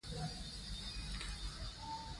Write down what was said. ښتې د افغانستان د سیاسي جغرافیه برخه ده.